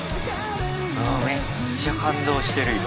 うんめっちゃ感動してる今！